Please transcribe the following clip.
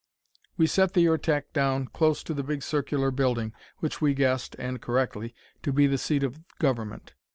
We set the Ertak down close to the big circular building, which we guessed and correctly to be the seat of government.